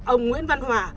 ông nguyễn văn hòa